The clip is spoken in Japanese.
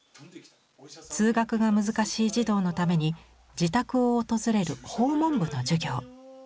通学が難しい児童のために自宅を訪れる「訪問部」の授業。